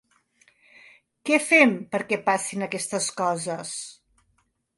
Què fem perquè passin aquestes coses?